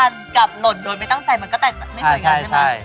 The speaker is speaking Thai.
มันก็หล่นโดนไม่ตั้งใจไม่เหมือนกันอย่างงี้